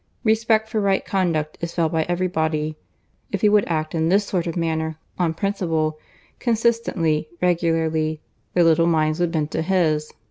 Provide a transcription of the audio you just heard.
Respect for right conduct is felt by every body. If he would act in this sort of manner, on principle, consistently, regularly, their little minds would bend to his."